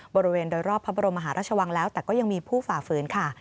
บริเวณโดยรอบพระบรมมหาราชวังแล้วแต่ก็ยังมีผู้ฝ่าฝืนค่ะ